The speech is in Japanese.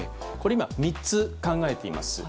今、３つ考えています。